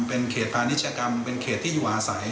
เป็นเขตพาณิชกรรมเป็นเขตที่อยู่อาศัย